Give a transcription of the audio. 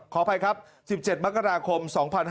ขออภัยครับ๑๗มกราคม๒๕๕๙